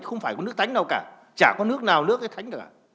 không phải có nước thánh nào cả chả có nước nào nước thánh cả